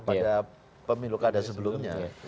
pada pemilu keadaan sebelumnya